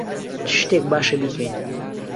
چ شتێک باشە بیکەین؟